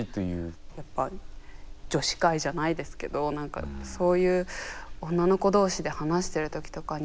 やっぱ女子会じゃないですけど何かそういう女の子同士で話してる時とかに。